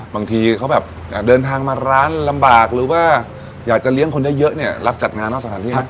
บางทีเขาแบบเดินทางมาร้านลำบากหรือว่าอยากจะเลี้ยงคนเยอะเนี่ยรับจัดงานนอกสถานที่ไหม